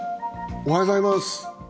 おはようございます。